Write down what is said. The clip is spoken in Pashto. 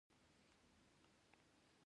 ایا درد مو کم شو؟